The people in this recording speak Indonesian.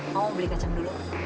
mau beli kacang dulu